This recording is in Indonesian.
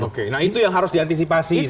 oke nah itu yang harus diantisipasi